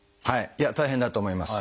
いや大変だと思います。